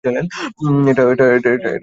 এটা ঠিক হলো না!